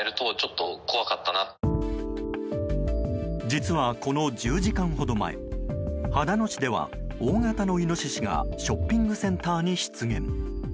実はこの１０時間ほど前秦野市では大型のイノシシがショッピングセンターに出現。